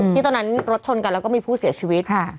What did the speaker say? ตอนนั้นรถชนกันแล้วก็มีผู้เสียชีวิต